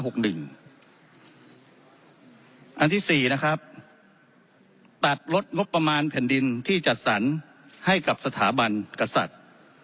อันที่๔นะครับตัดลดงบประมาณแผ่นดินที่จัดสรรให้กับสถาบันกษัตริย์